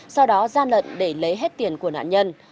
sau đó gian lận để lấy hết tiền của nạn nhân